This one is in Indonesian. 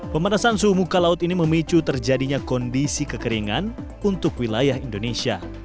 pemanasan suhu muka laut ini memicu terjadinya kondisi kekeringan untuk wilayah indonesia